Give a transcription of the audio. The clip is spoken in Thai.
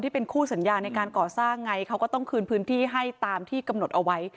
ที่เป็นคู่สัญญาณในการก่อสร้างไงเขาก็ต้องคืนพื้นที่ให้ตามที่